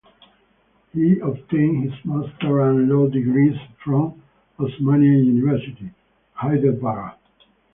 He obtained his master's and law degrees from Osmania University, Hyderabad.